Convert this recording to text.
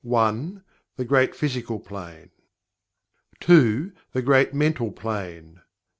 The Great Physical Plane. 2. The Great Mental Plane.